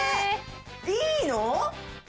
いいの？